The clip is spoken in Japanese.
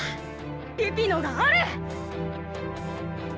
ピピのがある！